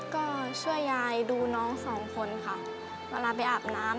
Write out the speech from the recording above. ก็ช่วยยายดูน้องสองคนค่ะเวลาไปอาบน้ำ